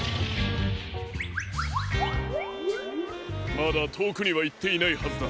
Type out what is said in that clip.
まだとおくにはいっていないはずだ。